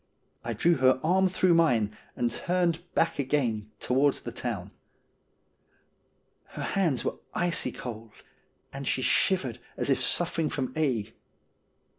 I drew her arm through mine, and turned back again towards the town. Her hands were icy cold, and she shivered as if suffering from ague.